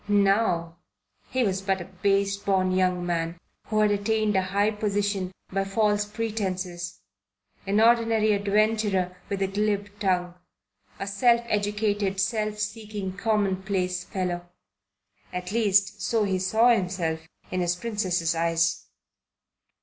Now he was but a base born young man who had attained a high position by false pretences; an ordinary adventurer with a glib tongue; a self educated, self seeking, commonplace fellow. At least, so he saw himself in his Princess's eyes.